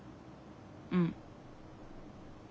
うん。